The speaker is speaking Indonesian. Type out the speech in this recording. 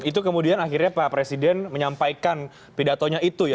itu kemudian akhirnya pak presiden menyampaikan pidatonya itu ya